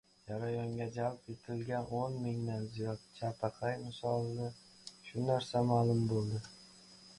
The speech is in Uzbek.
Jarayonga jalb etilgan o‘n mingdan ziyod chapaqay misolida shu narsa maʼlum boʻldi.